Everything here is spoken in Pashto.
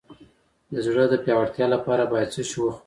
د زړه د پیاوړتیا لپاره باید څه شی وخورم؟